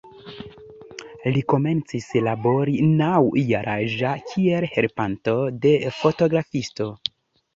Li komencis labori naŭ-jaraĝa kiel helpanto de fotografisto.